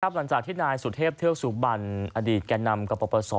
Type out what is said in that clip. หลังจากที่นายสุเทพเทือกสุบันอดีตแก่นำกปศ